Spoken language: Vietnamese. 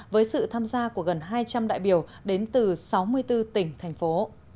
với sự tham gia của gần hai trăm linh đại biểu đến từ sáu mươi bốn tỉnh thành phố